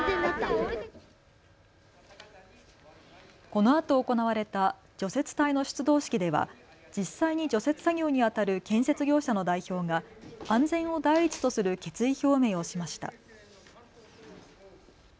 このあと行われた除雪隊の出動式では実際に除雪作業にあたる建設業者の代表が安全を第一とする決意表明をしました。